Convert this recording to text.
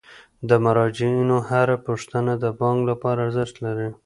د مراجعینو هره پوښتنه د بانک لپاره ارزښت لري.